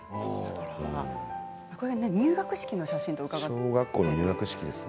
入学式の写真と伺っています。